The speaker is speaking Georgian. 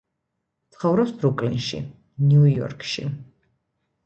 ცხოვრობს ბრუკლინში, ნიუ-იორკში.